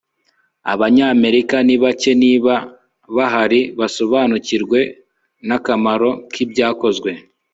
Abanyamerika ni bake niba bahari basobanukiwe nakamaro kibyakozwe